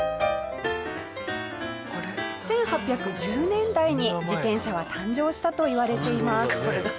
１８１０年代に自転車は誕生したといわれています。